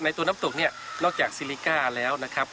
ตัวน้ำตกเนี่ยนอกจากซิลิก้าแล้วนะครับ